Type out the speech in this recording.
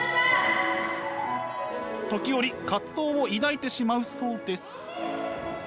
時折葛藤を抱いてしまうそうです。